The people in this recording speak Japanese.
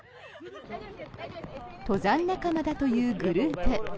登山仲間だというグループ。